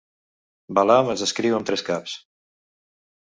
Balam es descriu amb tres caps.